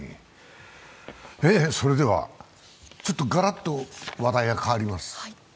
それでは、がらっと話題が変わります。